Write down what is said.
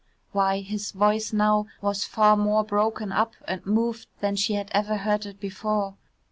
Why his voice now was far more broken up and moved than she had ever heard it before.